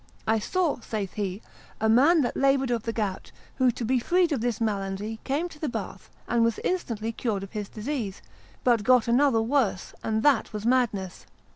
I saw (saith he) a man that laboured of the gout, who to be freed of this malady came to the bath, and was instantly cured of his disease, but got another worse, and that was madness.